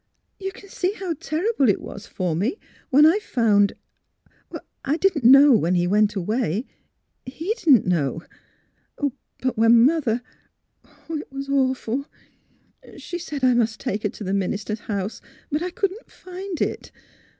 You can see how ter rible it was for me, when I — I found — I didn't know when he went away. He didn't know. But when Mother Oh, it was awful ! She said I must take her to the minister's house. But I couldn't find it.